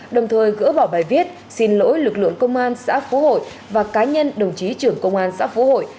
đồng thời gỡ bỏ bài viết xin lỗi lực lượng công an xã phú hội và cá nhân đồng chí trưởng công an xã phú hội